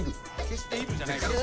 「消している」じゃないよ。